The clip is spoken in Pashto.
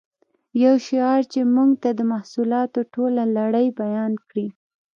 یو شعار چې زموږ د محصولاتو ټوله لړۍ بیان کړي